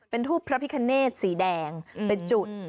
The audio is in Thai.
เป็นทูบพระพิคเนธสีแดงเป็นจุด